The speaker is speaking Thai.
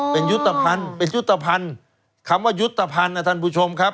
เป็นยุทธภัณฑ์เป็นยุทธภัณฑ์คำว่ายุทธภัณฑ์นะท่านผู้ชมครับ